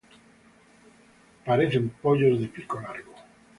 Parecen pollos de pico largo.